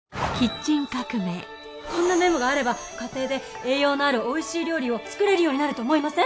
「こんなメモがあれば家庭で栄養のあるおいしい料理を作れるようになると思いません？」